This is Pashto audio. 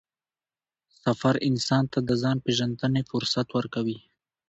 سفر انسان ته د ځان پېژندنې فرصت ورکوي